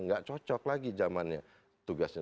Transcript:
nggak cocok lagi zamannya tugasnya